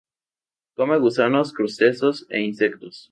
Come gusanos, crustáceos e insectos.